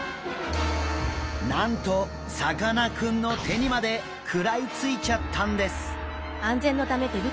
なんとさかなクンの手にまで食らいついちゃったんです。